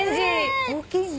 大きいね。